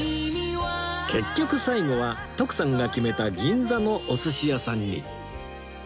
結局最後は徳さんが決めた銀座のお寿司屋さんに